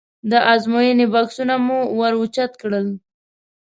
د ازموینې بکسونه مو ور اوچت کړل.